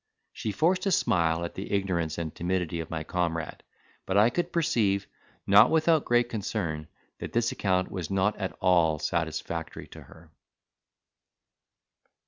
She forced a smile at the ignorance and timidity of my comrade; but I could perceive, not without great concern, that this account was not at all satisfactory to her.